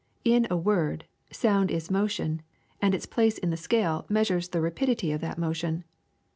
In a word, sound is motion, and its place in the scale measures the rapidity of that motion.